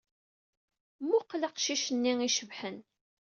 Mmuqqel aqcic-nni ay icebḥen.